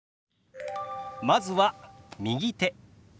まずは「右手」。